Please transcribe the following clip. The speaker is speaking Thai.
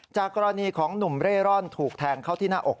จากกรณีของหนุ่มเร่ร่อนถูกแทงเข้าที่หน้าอก